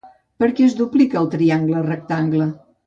Per què es duplica el triangle rectangle?